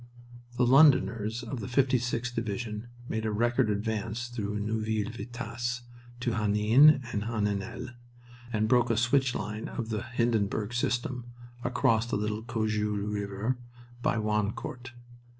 The Londoners of the 56th Division made a record advance through Neuville Vitasse to Henin and Heninel, and broke a switch line of the Hindenburg system across the little Cojeul River by Wancourt.